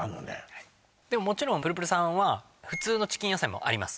はいでももちろんプルプルさんは普通のチキン野菜もあります